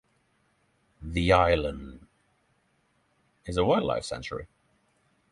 The island is a wildlife sanctuary.